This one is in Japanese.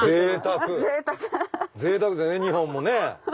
ぜいたくですね２本もね。